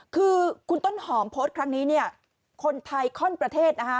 คือคุณต้นหอมโพสต์ครั้งนี้คนไทยข้อนประเทศ